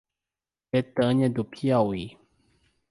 Betânia do Piauí